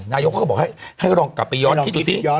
นายกเขาก็บอกให้ลองกลับไปย้อนคิดดูสิ